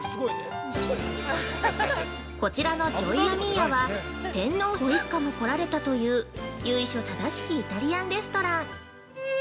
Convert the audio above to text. ◆こちらのジョイア・ミーアは天皇御一家も来られたという由緒正しきイタリアンレストラン。